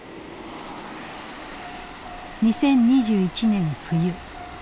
２０２１年冬。